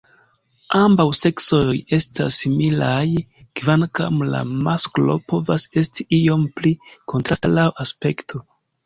Ambaŭ seksoj estas similaj, kvankam la masklo povas esti iom pli kontrasta laŭ aspekto.